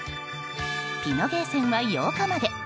ピノゲーセンは８日まで。